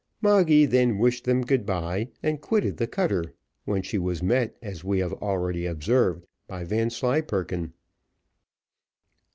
Moggy then wished them good bye, and quitted the cutter, when she was met, as we have already observed, by Vanslyperken.